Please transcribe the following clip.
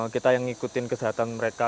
kita yang ngikutin kesehatan mereka